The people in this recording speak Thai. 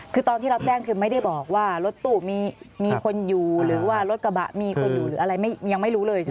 คือตอนที่รับแจ้งคือไม่ได้บอกว่ารถตู้มีคนอยู่หรือว่ารถกระบะมีคนอยู่หรืออะไรยังไม่รู้เลยใช่ไหม